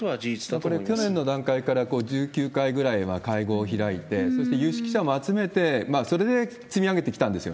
これ、去年の段階から、１９回ぐらいは会合を開いて、そして有識者も集めて、そうです。